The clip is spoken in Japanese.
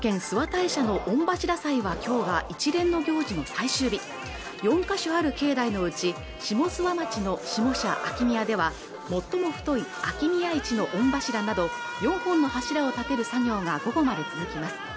大社の御柱祭はきょうが一連の行事の最終日４か所ある境内のうち下諏訪町の下社秋宮では最も太い秋宮一の御柱など４本の柱を立てる作業が午後まで続きます